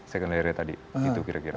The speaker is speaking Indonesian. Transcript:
secondarnya tadi itu kira kira